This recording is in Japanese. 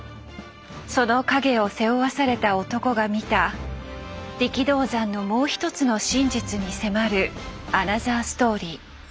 その陰を背負わされた男が見た力道山のもう一つの真実に迫るアナザーストーリー。